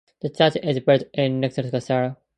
The church is built in the neoclassical style.